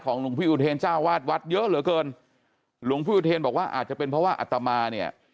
หลวงพี่อุเทรเจ้าวาดวัดเยอะเหลือเกินหลวงพี่อุเทนบอกว่าอาจจะเป็นเพราะว่าอัตมาเนี่ย